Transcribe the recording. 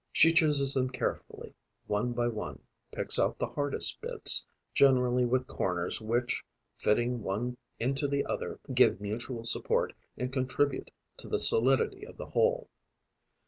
She chooses them carefully one by one, picks out the hardest bits, generally with corners which, fitting one into the other, give mutual support and contribute to the solidity of the whole.